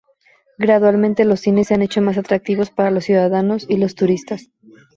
Gradualmente los cines se han hecho más atractivos para los ciudadanos y los turistas.